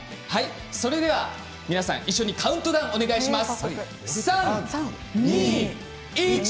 それでは皆さん一緒にカウントダウンをお願いします。